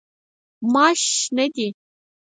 ماش شنه دي.